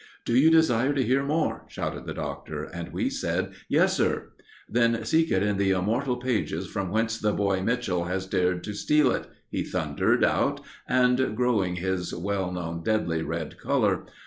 "Do you desire to hear more?" shouted the Doctor. And we said, "Yes, sir!" "Then seek it in the immortal pages from whence the boy Mitchell has dared to steal it!" he thundered out, growing his well known, deadly red colour.